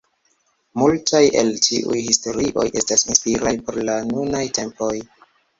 Multaj el tiuj historioj estas inspiraj por la nunaj tempoj.